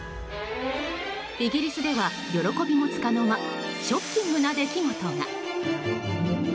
イギリスでは、喜びも束の間ショッキングな出来事が。